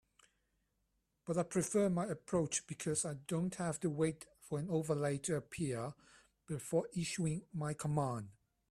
But I prefer my approach because I don't have to wait for an overlay to appear before issuing my command.